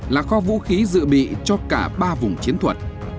là kho vũ khí dự bị cho cả ba vùng chiến thuật